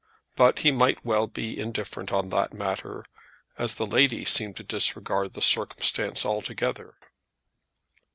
But he might well be indifferent on that matter, as the lady seemed to disregard the circumstances altogether.